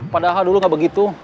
padahal dulu nggak begitu